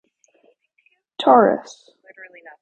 Tauris.